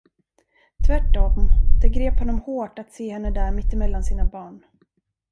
Tvärtom, det grep honom hårt att se henne där mittemellan sina barn.